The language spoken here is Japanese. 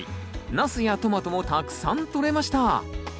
ナスやトマトもたくさんとれました。